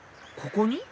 ここに？